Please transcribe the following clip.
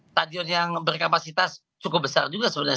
stadion yang berkapasitas cukup besar juga sebenarnya